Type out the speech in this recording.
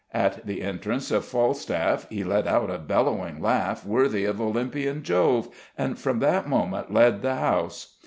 At the entrance of Falstaff he let out a bellowing laugh worthy of Olympian Jove, and from that moment led the house.